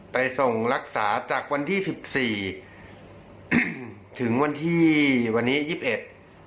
ไปส่งรักษาจากวันที่สิบสี่อืมถึงวันที่วันนี้ยี่สิบเอ็ด